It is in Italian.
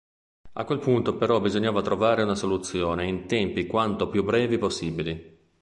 A quel punto però bisognava trovare una soluzione in tempi quanto più brevi possibili.